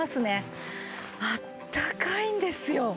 あったかいんですよ！